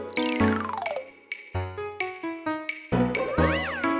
gigi permisi dulu ya mas